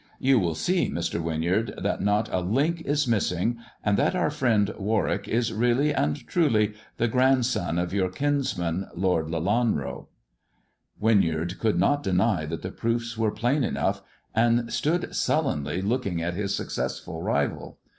You will see, Mr. Winyard, that not a link is missing, and that our friend Warwick is really and truly the grandson of your kinsman. Lord Lelanro.'' Winyard could not deny that the proofs were plain enough, and stood sullenly looking at his successful rival.